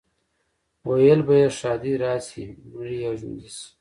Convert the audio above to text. ویل به یې ښادي راشي، مړی او ژوندی شي.